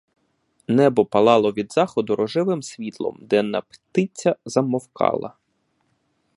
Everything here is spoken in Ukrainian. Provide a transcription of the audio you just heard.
Небо палало від заходу рожевим світлом, денна птиця замовкала.